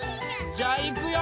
じゃあいくよ！